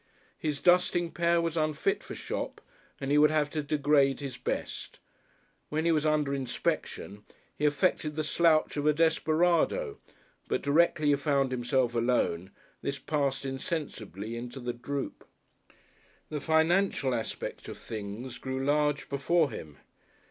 His dusting pair was unfit for shop and he would have to degrade his best. When he was under inspection he affected the slouch of a desperado, but directly he found himself alone, this passed insensibly into the droop. The financial aspect of things grew large before him.